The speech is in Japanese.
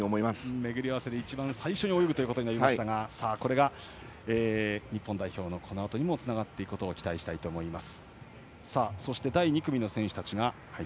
めぐり合わせで一番最初に泳ぐことになりましたがこれが日本代表のこのあとにもつながっていくことを期待したいと思います。